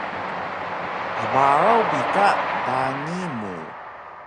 Hbaraw bi ka dangi mu